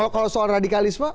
kalau soal radikalisme